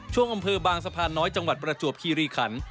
ช่วงอำเภอบางสะพานน้อยจังหวัดประจวบคีรีขัน